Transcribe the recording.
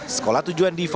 sekolah tujuan diva